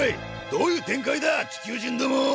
どういう展開だ地球人ども！